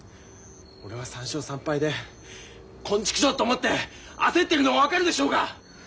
俺は３勝３敗でコンチクショーと思って焦ってるの分かるでしょうが！